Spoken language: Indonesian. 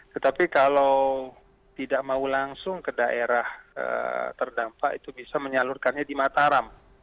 tetapi kalau tidak mau langsung ke daerah terdampak itu bisa menyalurkannya di mataram